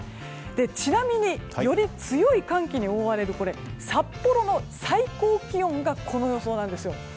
ちなみに、より強い寒気に覆われる札幌の最高気温がこの予想なんです。